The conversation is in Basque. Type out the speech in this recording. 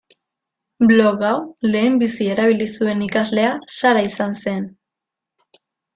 Blog hau lehenbizi erabili zuen ikaslea Sara izan zen.